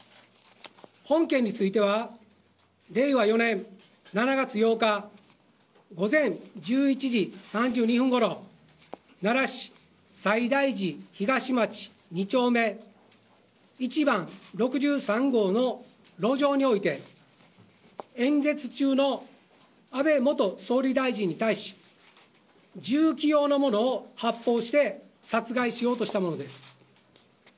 本件については令和４年７月８日午前１１時３５分ごろ奈良市西大寺東町２丁目１番６３号の路上において演説中の安倍元総理大臣に対し銃器状のものを発砲して殺害しようとしたものです。